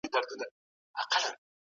سياستوال به د نورو د نفوذ څخه مخنيوی وکړي.